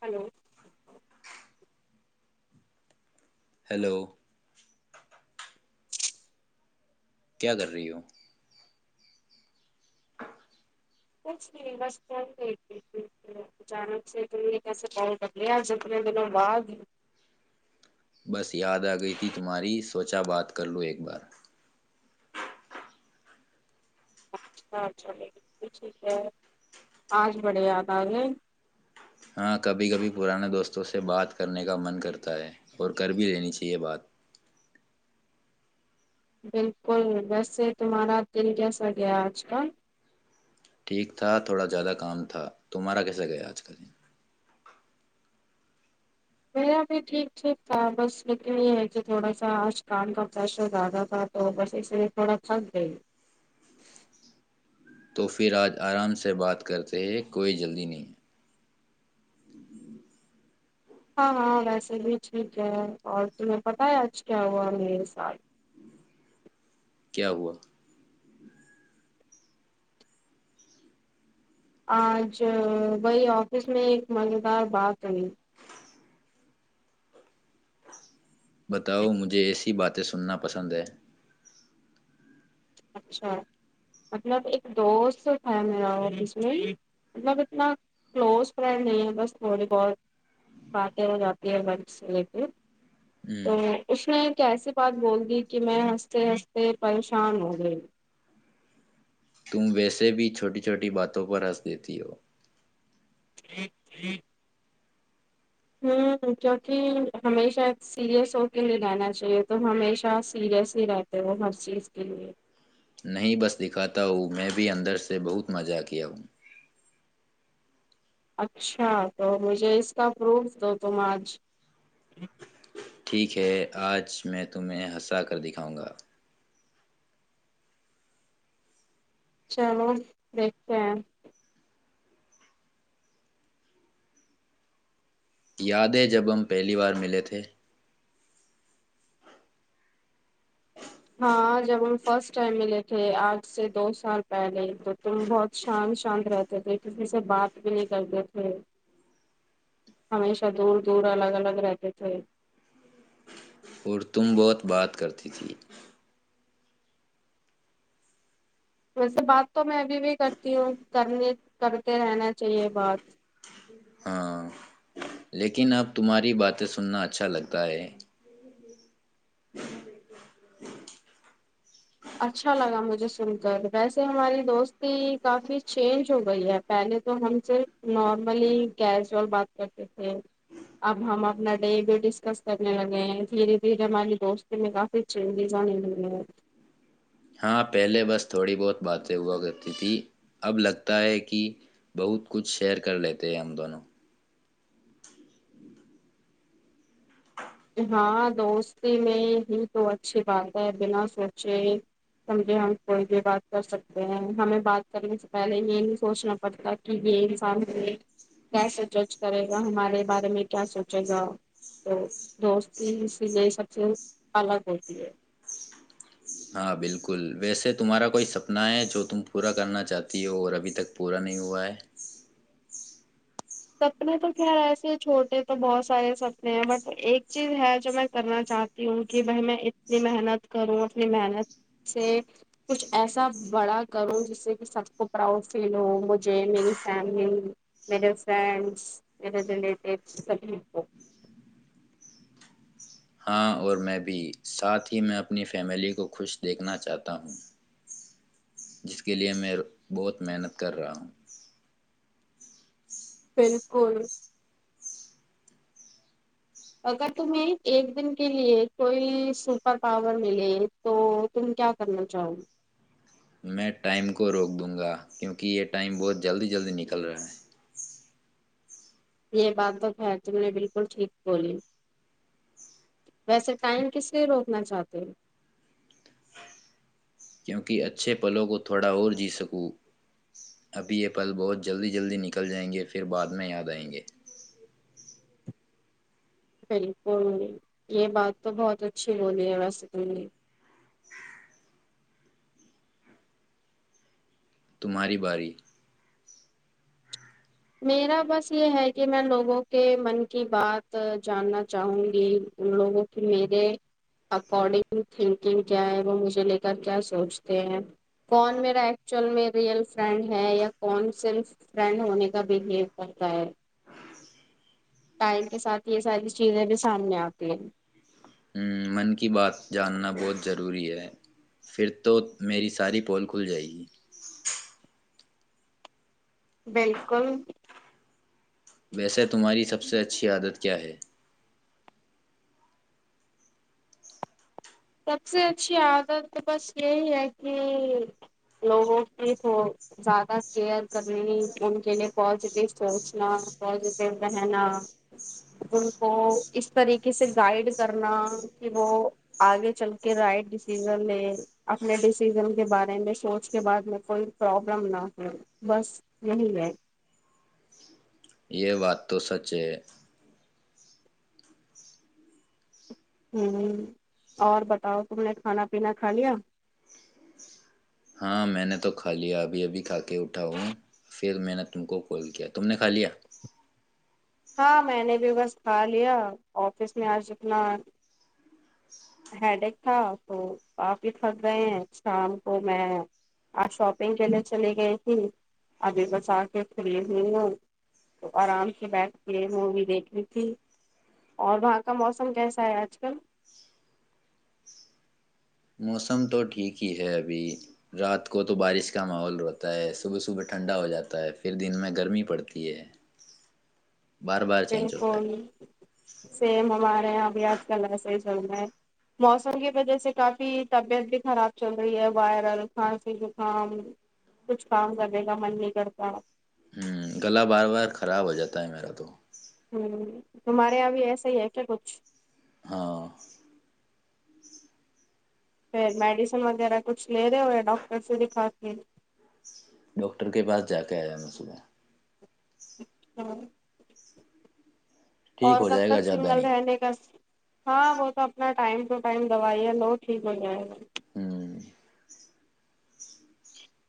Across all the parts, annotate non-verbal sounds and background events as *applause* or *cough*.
Hello hello کیا کر رہی ہو کچھ نہیں بسن د اچانک سے تم یہ کیسے پنکلی آج اتنے دنوں بعد بس یاد آ گئی تھی تمہاری سوچا بات کر لو ایک بار اچھا ٹھیک ہے آج بڑے یاد آ گئے ہاں کبھی کبھی پرانے دوستوں سے بات کرنے کا من کرتا ہے اور کر بھی لینی چاہیے بات بالکل ویسے تمہارا دل جسا گیا آج کل ٹھیک تھا تھوڑا زیادہ کام تھا تمہارا کیسا گیا آج کا دن میرا بھی ٹھیک ٹھیک تھا بس لیکل یہ ہے کہ تھوڑا سا آج کان کا پریشر زیادہ تھا تو بس اسے تھوڑا تھک گئی تو پھر آج آرام سے بات کرتے ہیں کوئی جلدی نہیں ہاں ہاں ویسے بھی ٹھیک ہے اور تمہیں پتہ ہے آج کیا ہوا میرے سال کیا ہوا آج وہی آفس میں ایک مزیدار بات ہوی بتاؤ مجھے ایسی باتیں سننا پسند ہے اچھا مطلب ایک دوست تھا میرا آفس میں مطلب اتنا کلوز فرینڈ نہیں ہے بس تھوڑی بہت باتیں ہو جاتی ہے ر تو ہوں، اس میں کیسی بات بول گی کہ میں ہنستے ہنستے پریشان ہوں *unintelligible* جی *unintelligible* تم ویسے بھی چھوٹی چھوٹی باتوں پر ہنس دیتی ہو ٹھیک ٹھیک *inaudible* ہوں کیونکہ ہمیشہ سیریس ہو کے لیے رہنا چاہیے تو ہمیشہ سیریس ہی رہتے ہو ہر چیز کے لیے نہیں بس دکھاتا ہوں میں بھی اندر سے بہت مزہ کیا ہوں اچھا تو مجھے اس کا فروٹ دو تم اج ٹھیک ہے آج میں تمہیں ہنسا کر دکھاؤں گا چلو دیکھتے ہیں یادیں جب ہم پہلی بار ملے تھے ہاں جب فرسٹ ٹائم ملے تھے آج سے دو سال پہلے *unintelligible* بہت شان شانت رہتا *unintelligible* تھے کسی سے بات بھی نہیں کرتے تھے ہمیشہ دور دور الگ الگ رہتے تھے اور تم بہت بات کرتی تھی ویسے بات تو میں ابھی بھی کرتی ہوں کرنے کرتے رہنا چاہیے بات ہاں لیکن اب تمہاری باتیں سننا اچھا لگتا ہے اچھا لگا مجھے سن کر ویسے ہماری دوستی کافی چینج ہو گئی ہے پہلے تو ہم صرف نارملی کیزئول بات کرتے تھے اب ہم اپنا ڈے بھی ڈسکس کرنے لگے ہیں دھیرے دھیرے ہماری دوستی میں کافی چینجز آنے لگے ہیں ہاں پہلے بس تھوڑی بہت باتیں ہوا کرتی تھی اب لگتا ہے کہ بہت کچھ شیئر کر لیتے ہیں ہم دونوں ہاں دوستی میں ہی تو اچھی بات ہے بنا سوچے سمجھے ہم کوئی بھی بات کر سکتے ہیں ہمیں بات کرنے سے پہلے یہ نہیں سوچنا پڑتا کہ یہ انسان ہم کیسے جج کرے گا ہمارے بارے میں کیا سوچے گا تو دوستی س لیے سب سے الگ ہوتی ہے ہاں بالکل ویسے تمہارا کوئی سپنا ہے جو تم پورا کرنا چاہتی ہو اور ابھی تک پورا نہیں ہوا ہے سپنے تو خیر ایسے چھوٹے تو بہت سارے سپنے ہیں بٹ ایک چیز ہے جو میں کرنا چاہتی ہوں کہ بھائی میں اتنی محنت کروں انی محنت سے کچھ ایسا بڑا کروں جس سے کہ سب کو پراؤڈ فیل ہو مجھے میری فیملی میر فرینڈس میرے ریلیٹیوس سبھی کو ہاں اور میں بھی ساتھ ہی میں اپنی فیملی کو خوش دیکھنا چاہتا ہوں جس کے لیے میں بہت محنت کر رہا ہوں بالکل اگر تمہیں ایک دن کے لیے کوئل سپر پاور ملے تو تم کیا کرنا چاہو گی میں ٹائم کو روک دوں گا کیونکہ یہ ٹائم بہت جلدی جلدی نکل رہا ہے یہ بات تو خیر تم نے بالکل ٹھیک بولی ویسے ٹائم کس لیے روکنا چاہتے ہو کہ اچھے پلوں کو تھوڑا اور جی سکوں اب یہ پل بہت جلدی جلدی نکل جائیں گے پھر بعد میں یاد آئیں گے بالکل یہ بات تو بہت اچھی بولی ہے ویسم نے تمہاری باری میرا بس یہ ہے کہ میں ان لوگوں کے من کی بات جاننا چاہوں گی ان لوگوں کی میرے اکارڈنگ تھنکنگ کیا ہے وہ مجھے لے کر کیا سوچتے ہیں کون میرا ایکچوئل میں ریئل فرینڈ ہے یا کون سل فرینڈ ہونے کا کا بہیو کرتا ہے ٹائم کے ساتھ یہ ساری چیزیں بھی سامنے آتی ہیں من کی بات جاننا بہت ضروری ہے پھر تو میری ساری پول کھل جائے گی بالکل ویسے تمہاری سب سے اچھی عادت کیا ہے؟ سب سے اچھی عادت تو بس یہی ہے کہ لوگوں کی تھ زیادہ کیئر کرنی ان کے لیے پازیٹیو سوچنا پازیٹیو رہنا ان کو اس طریقے سے گائڈ کرنا کہ وہ آگے چل کے رائٹ ڈیسیزن لے اپنے ڈسیزن کے بارے میں سوچ کے بعد میں کوئی پرابلم نہ ہو بس یہی ہے یہ بات تو سچ ہے ہ اور بتاؤ تم نے کھانا پینا کھا لیا ہاں میں نے تو کھا لیا ابھی ابھی کھا کے اٹھا ہوں پھر میں نے تم کو کال کیا تم نے کھا لیا ہاں میں نے بھی بس کھا لیا آفس میں آج اتنا ہیڈیک تھا تو کافی تھک گئے ہیں شام کو میں آج شاپنگ کے لیے چلی گئی تھی ابھی بس آ کے کھری ہو ہوں تو آرام سے بیٹھ یہ مووی دیکھنی تھی اور وہاں کا موسم کیسا ہے آج کل موسم تو ٹھیک ہی ہے ابھی رات کو تو بارش کا ماحول ہوتا ہے صبح صبح ٹھنڈا ہو جاتا ہے پھر دن میں گرمی پڑتی ہے بار بار چینج بالک ہوتا ہے سیم ہمارے یہاں بھی آج کل ایس موسم کی وجہ سے کافی طبیعت بھی خراب چل رہی ہے وائرل کھانسی زکام کچھ کام کرنے کا من نہیں کرتا گلا بار بار خراب ہو جاتا ہے میرا تو ہوں تمہارے یہاں بھی ایسا ہی ہے کیا کچھ ہاں پھر میڈیسن وغیرہ کچھ لے رہے ہو ڈاکٹر سے دکھا کے ڈاکٹر کے پاس جا کے آیا م صبح ہاں اور ٹھیک ہو کب جائے گا تک زیادہ سنگل نہیں رہنے کا ہاں وہ تو اپنا ٹائم ٹو ٹائم دوائی ہے ل ٹھیک ہو جائےیں گی ہوں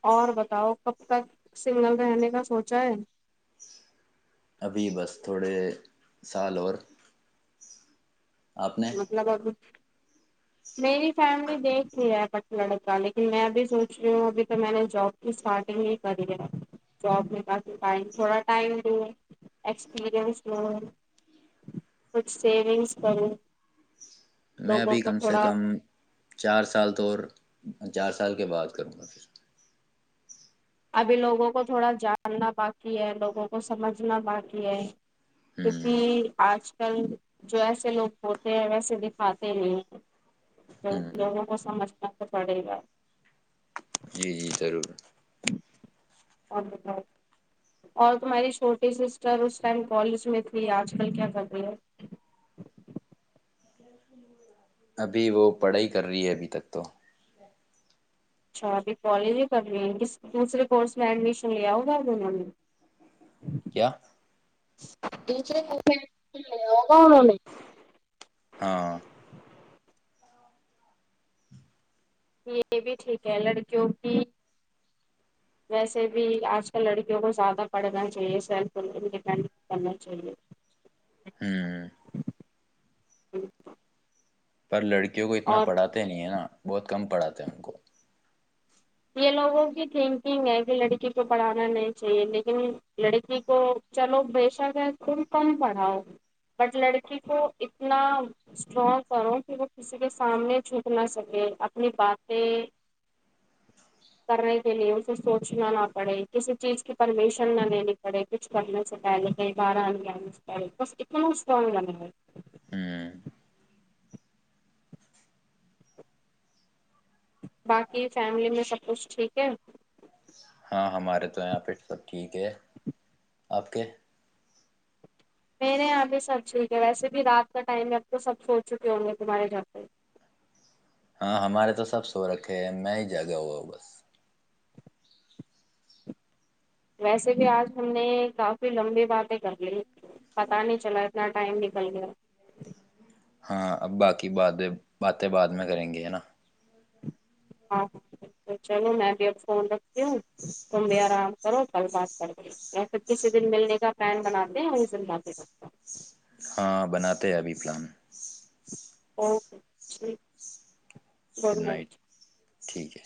اور بتاؤ کب تک سگنل رہنے کا سوچا ہے ابھی بس تھوڑے سال اور آپ نے مطلب میری فیملی دیکھ رہ ہے پٹن ل کا لیکن میں اب سوچ رہی ہوں ابھی تو میں نے جاب کی اسٹارٹنگ ہی کری ہے جاب میں کافی ٹم تھڑا ٹائم لوں ایکسپرینس لوں کچھ سیونگس کروں میں لوگوں ابھی کو کم سے تھوڑا کم چار سال تو چار سال کے بعد کروں گا پھر ابھی لوگوں کو تھوڑا جاننا باقی ہے لوگوں کو سمجھنا باقی ہے کیکھی ہوں آج کل جو ایسے لوگ ہوتے ہیں ویسے دکھاتے ہیں تو ہوں لوگوں کو سمجھ ت پڑے گا جی جی ضرور اور اور تمہاری چھوٹی سسٹر اس ٹائم کالج میں تھی آج کل کیا کر رہی ہے ابھی وہ پڑھائی کر رہی ہے ابھی تک تو اچھا ابھی کالج ہی کر رہ ہیں کس دوسرے کورس میں ایڈمیشن لیا ہوگا دونوں نے کیا ہوگا انہوں نے ہاں یہ بھی ٹھیک ہے لڑکیوں کی ویسے بھی آج کل لڑکیوں کو زیادہ پڑھنا چاہیے سیلف انڈیپینڈن کرنا چاہیے ہوں جی پر لڑکی کو اتنا پڑاتے نہیں ہے نا بہت کم پڑات تھا ان کو یہ لوگوں کی تھنکنگ ہے کہ لڑکی کو پڑھانا نہیں چاہیے لیکن لڑکی کو چلو بےشک ہے تم کم پڑھاؤ بٹ لڑکی کو اتنا اسٹرانگ کرو کہ وہ کسی کے سامنے چھوٹ نہ سکے اپنی باتیں کرنے کے لئے اسے سوچنا نہ پڑے کسی چیز کی پرمیشن نہ لینی پڑے کچھ کرنے سے پہلے کئی بار آنے آنے سے پہلے بس اتنا اسٹرانگ بنے گئے ہوں باقی فیملی میں سب کچھ ٹھیک ہے ہاں ہمارے تو یہاں پھر سب ٹھیک ہے آپ کے میرے یہاں بھی سب ٹھیک ہے ویسے بھی رات کا ٹائم اب تو سب سوچ چکے ہوں گے تمہارے جھر پہ ہاں ہمارے تو سب سوورکھے ہے میں ہی جگا ہوا بس ویسے بھی آج ہم نے کافی لمبی باتیں کر لی پتا نہیں چلا اتنا ٹائم نکل گیا ہاں اب باقی بات باتیں بعد میں کریں گے ہے نا ہاں چلو میں بھی اب فون رکھتی ہوں تم بھی آرام کرو کل بات کر یا پھر کسی دن ملنے کا پلان بناتے ہیں ز ل ہاں بناتے ہیں ابھی پلان اوکے ٹھ بول گڈ رہائ نائٹ ٹھیک ہے